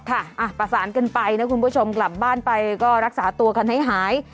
อ่ะประสานกันไปนะคุณผู้ชมกลับบ้านไปก็รักษาตัวกันให้หาย